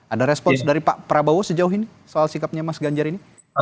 ada respons dari pak prabowo sejauh ini soal sikapnya mas ganjar ini